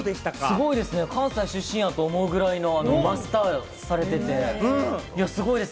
すごいですね、関西出身かと思うくらいマスターされてて、すごいです。